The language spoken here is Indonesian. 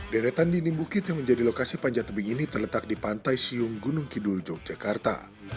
deretan dinding bukit yang menjadi lokasi panjat tebing ini terletak di pantai siung gunung kidul yogyakarta